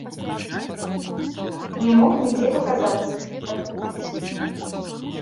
Не мог нідзе паказацца, каб купіць.